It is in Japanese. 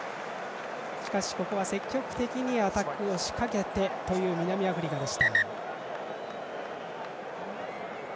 しかし、ここは積極的にアタックを仕掛けた南アフリカでした。